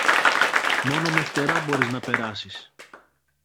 Μόνο με φτερά μπορείς να περάσεις.